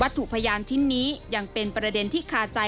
ถูกพยานชิ้นนี้ยังเป็นประเด็นที่คาใจ